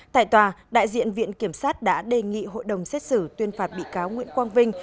tại tòa đại diện viện kiểm sát đã đề nghị hội đồng xét xử tuyên phạt bị cáo nguyễn quang vinh